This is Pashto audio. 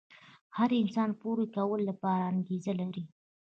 هر انسان يې د پوره کولو لپاره انګېزه لري.